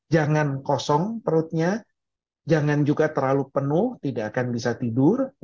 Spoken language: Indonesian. jangan kosong perutnya jangan juga terlalu penuh tidak akan bisa tidur